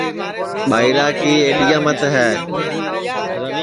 ٻائیرا کی ایڈِؔیا مت ہے